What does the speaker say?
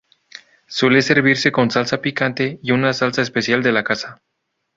Suele servirse con salsa picante y una salsa especial de la casa.